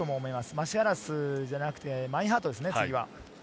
マシアラスじゃなくてマインハートです、次は。